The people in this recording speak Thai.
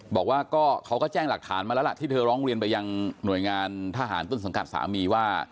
บอกว่าก็เขาก็แจ้งหลักฐานมาแล้วล่ะที่เธอร้องเรียนไปยังหน่วยงานทหารต้นสังกัดสามีว่า